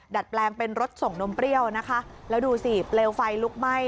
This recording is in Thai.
แปลงเป็นรถส่งนมเปรี้ยวนะคะแล้วดูสิเปลวไฟลุกไหม้